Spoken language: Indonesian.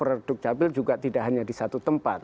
dan server dukcapil juga tidak hanya di satu tempat